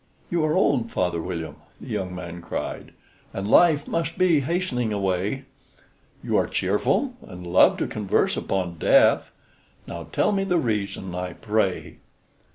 "You are old, Father William," the young man cried, "And life must be hastening away; You are cheerful, and love to converse upon death: Now tell me the reason, I pray."